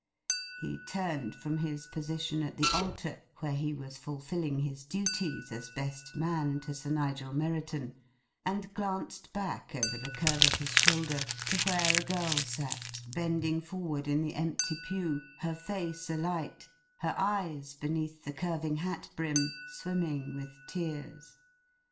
He turned from his position at the altar (where he was fulfilling his duties as best man to Sir Nigel Merriton) and glanced back over the curve of his shoulder to where a girl sat, bending forward in the empty pew, her face alight, her eyes, beneath the curving hat brim, swimming with tears....